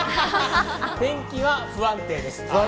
天気は不安定です。